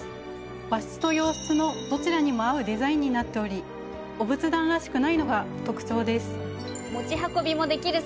和室と洋室のどちらにも合うデザインになっておりお仏壇らしくないのが特徴です。